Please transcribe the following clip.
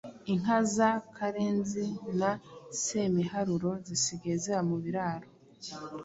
Inka za Karenzi na Semiharuro zisigaye ziba mu biraro.